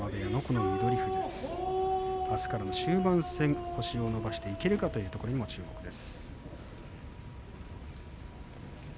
終盤戦、星を伸ばしていけるかどうかというところにも注目です。